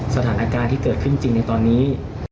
สถานการณ์ที่เกิดขึ้นจริงในตอนนี้